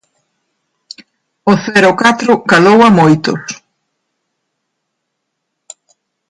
O cero catro calou a moitos.